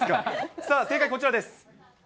さあ、正解、こちらです。